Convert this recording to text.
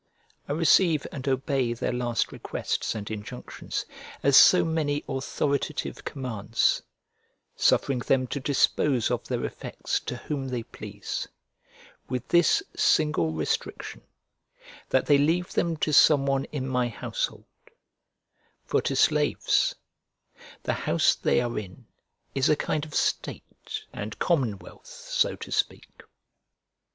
I receive and obey their last requests and injunctions as so many authoritative commands, suffering them to dispose of their effects to whom they please; with this single restriction, that they leave them to some one in my household, for to slaves the house they are in is a kind of state and commonwealth, so to speak.